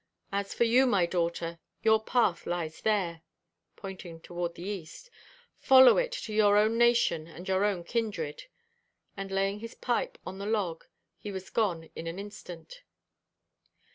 As for you, my daughter, your path lies there," pointing toward the east; "follow it to your own nation and your own kindred;" and, laying his pipe on the log, he was gone in an instant.